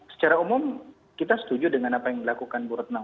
secara umum kita setuju dengan apa yang dilakukan bu retno